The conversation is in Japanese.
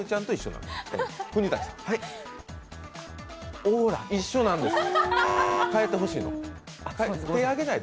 一緒なんです。